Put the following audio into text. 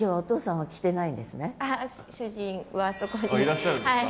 いらっしゃるんですか？